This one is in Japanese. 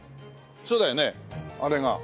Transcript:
そうだよねあれが。